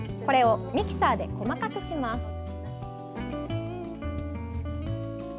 これをミキサーで細かくします。